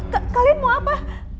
k kalian mau apa